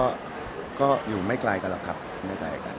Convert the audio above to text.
แต่จริงก็ต้องบอกว่าก็อยู่ไม่ไกลกันหรอกครับในตัวเอกลักษณ์